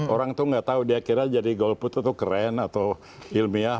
orang tuh gak tau dia kira jadi golput tuh keren atau ilmiah